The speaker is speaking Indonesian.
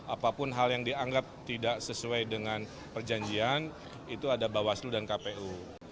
apapun hal yang dianggap tidak sesuai dengan perjanjian itu ada bawaslu dan kpu